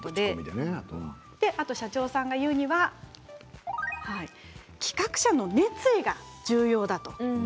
あと、社長さんが言うには企画者の熱意が重要だと。